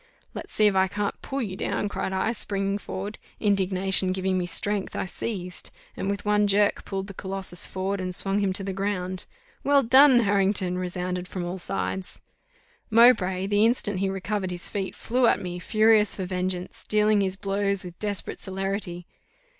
"Let's see if I can't pull you down!" cried I, springing forward: indignation giving me strength, I seized, and with one jerk pulled the Colossus forward and swung him to the ground. "Well done, Harrington!" resounded from all sides. Mowbray, the instant he recovered his feet, flew at me, furious for vengeance, dealing his blows with desperate celerity.